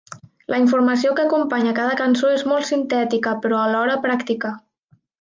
La informació que acompanya cada cançó és molt sintètica, però alhora pràctica.